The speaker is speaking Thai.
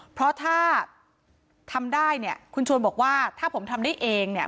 เพราะถ้าทำได้เนี่ยคุณชวนบอกว่าถ้าผมทำได้เองเนี่ย